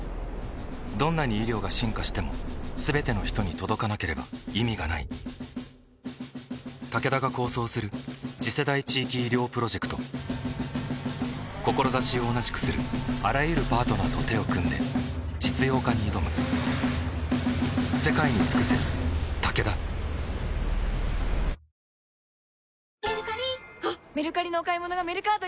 どんなに医療が進化しても全ての人に届かなければ意味がないタケダが構想する次世代地域医療プロジェクト志を同じくするあらゆるパートナーと手を組んで実用化に挑む帰って寝るだけだよ